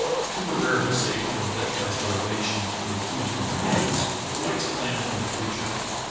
Temporarily saved from death by starvation through food from the natives, the whites planned for the future.